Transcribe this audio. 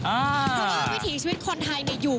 อ่าโครงวิถีชีวิตคนไทยเนี่ยอยู่